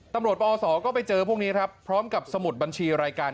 ปอศก็ไปเจอพวกนี้ครับพร้อมกับสมุดบัญชีรายการ